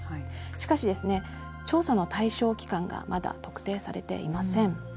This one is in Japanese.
しかし、調査の対象期間がまだ特定されていません。